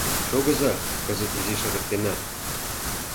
Шогыза, кызыт изиш ырыктена.